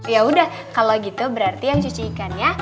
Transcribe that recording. ya udah kalau gitu berarti yang cuci ikannya